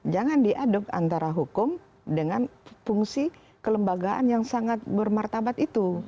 jangan diaduk antara hukum dengan fungsi kelembagaan yang sangat bermartabat itu